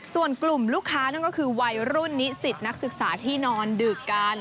ส่วนกลุ่มลูกค้านั่นก็คือวัยรุ่นนิสิตนักศึกษาที่นอนดึกกัน